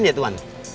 ini ya tuan